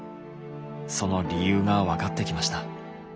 その理由が分かってきました。